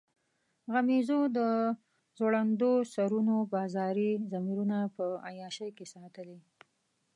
غمیزو د ځوړندو سرونو بازاري ضمیرونه په عیاشۍ کې ساتلي.